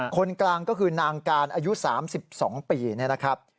คนกลางก็คือนางการอายุ๓๒ปีนะครับ